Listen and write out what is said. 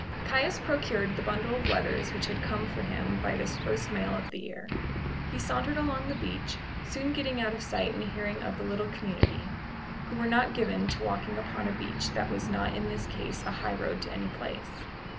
Caius procured the bundle of letters which had come for him by this first mail of the year. He sauntered along the beach, soon getting out of sight and hearing of the little community, who were not given to walking upon a beach that was not in this case a highroad to any place.